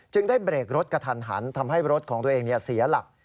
ได้เบรกรถกระทันหันทำให้รถของตัวเองเสียหลัก